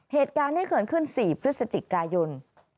เหตุการณ์ที่เกิดขึ้น๔พฤศจิกายน